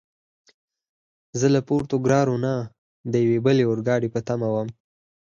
زه له پورتوګرارو نه د یوې بلې اورګاډي په تمه ووم.